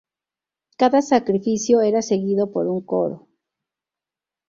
Cada sacrificio era seguido por un coro.